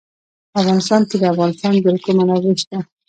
په افغانستان کې د د افغانستان جلکو منابع شته.